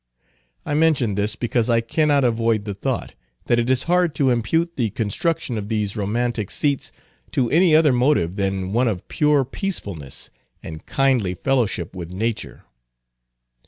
I mention this, because I cannot avoid the thought, that it is hard to impute the construction of these romantic seats to any other motive than one of pure peacefulness and kindly fellowship with nature.